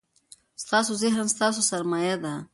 ستاسو ذهن ستاسو سرمایه ده.